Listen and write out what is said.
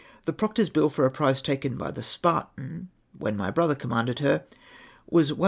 Tlie proctor's Ijill for a prize taken by the Sjxirtaii, when my brother conunanded her, was 1025